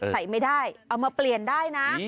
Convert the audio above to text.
ใส่ไม่ได้เอามาเปลี่ยนได้นะ